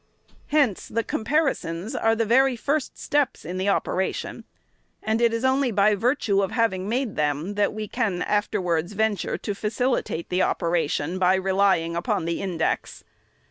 Hence the compari sons are the very first steps in the operation, and it is only by virtue of having made them that we can after wards venture to facilitate the operation by relying upon the index.